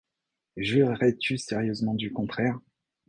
Jurerais-tu sérieusement du contraire ?